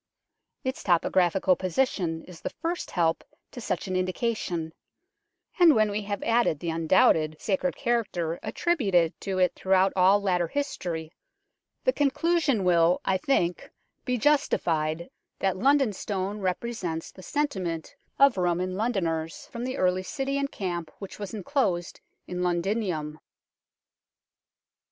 Its topographical position is the first help to such an indication, and when we have added the undoubted sacred character attributed 130 UNKNOWN LONDON to it throughout all later history, the conclusion will, I think, be justified that London Stone represents the sentiment of Roman Londoners for the early city and camp which was enclosed in Londinium."